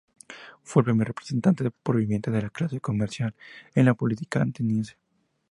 Fue el primer representante prominente de la clase comercial en la política ateniense.